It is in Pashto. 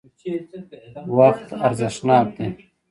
وقت ارزښتناک دی.